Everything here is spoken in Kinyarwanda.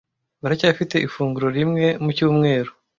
baracyafite ifunguro rimwe mu cyumweru.